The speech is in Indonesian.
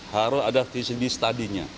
harus ada visi studinya